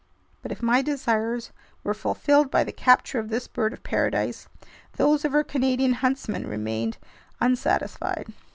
But if my desires were fulfilled by the capture of this bird of paradise, those of our Canadian huntsman remained unsatisfied.